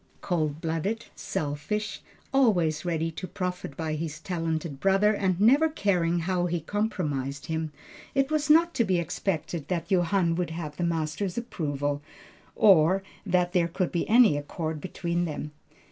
Cold blooded, selfish, always ready to profit by his talented brother, and never caring how he compromised him, it was not to be expected that Johann would have the master's approval, or that there could be any accord between them.